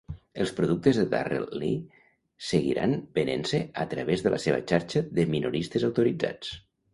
Els productes de Darrell Lea seguiran venent-se a través de la seva xarxa de minoristes autoritzats.